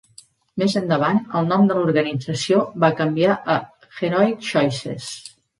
Més endavant el nom de l'organització va canviar a "Heroic Choices".